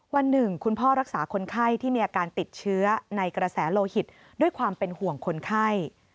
วันหนึ่งคุณพ่อรักษาคนไข้ที่มีอาการติดเชื้อในกระแสโลหิตด้วยความเป็นห่วงคนไข้